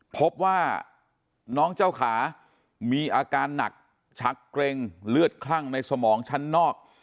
พบว่าน้องเจ้าขามีอาการหนักชักเกร็งเลือดคลั่งในสมองชั้นนอก